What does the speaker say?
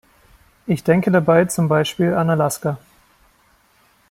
Ich denke dabei zum Beispiel an Alaska.